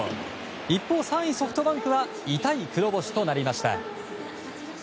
一方、３位ソフトバンクは痛い黒星となりました。